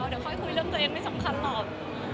เดี๋ยวค่อยคุยเรื่องตัวเองไม่สำคัญหรอก